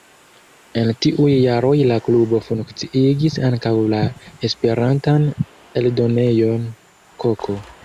En tiuj jaroj la klubo funkciigis ankaŭ la Esperantan eldonejon “Koko”.